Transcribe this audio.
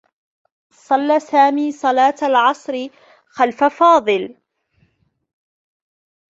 صلّى سامي صلاة العصر خلف فاضل.